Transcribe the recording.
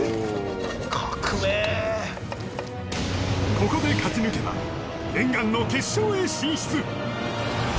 ここで勝ち抜けば念願の決勝へ進出！